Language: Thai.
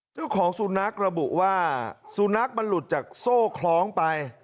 เจ้าของซูนักระบุว่าซูนักลุดจากโซ่คล้องไป